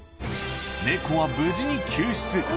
猫は無事に救出。